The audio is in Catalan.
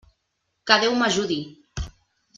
Que Déu m'ajudi!